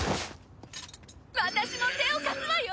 私も手を貸すわよ！